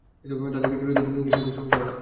তাদেরকে জরুরী দিক-নির্দেশনা দিয়ে সম্মুখে পাঠাও।